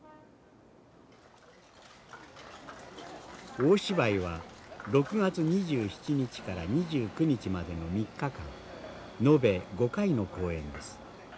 大芝居は６月２７日から２９日までの３日間延べ５回の公演です。